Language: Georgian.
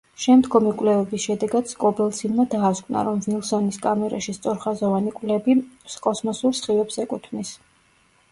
შემდგომი კვლევების შედეგად სკობელცინმა დაასკვნა, რომ ვილსონის კამერაში სწორხაზოვანი კვლები კოსმოსურ სხივებს ეკუთვნის.